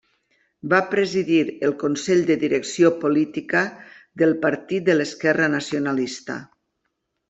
Va presidir el Consell de Direcció Política del partit de l'esquerra nacionalista.